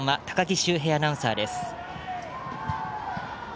高木修平アナウンサーです。